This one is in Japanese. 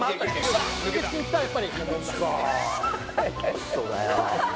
クソがよ。